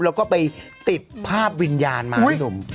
แล้วก็ไปติดภาพวิญญาณมาพี่หนุ่ม